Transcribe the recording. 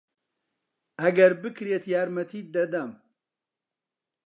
ئەگەر بکرێت یارمەتیت دەدەم.